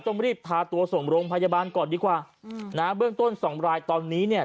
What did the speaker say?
ต้องรีบพาตัวส่งโรงพยาบาลก่อนดีกว่าอืมนะฮะเบื้องต้นสองรายตอนนี้เนี่ย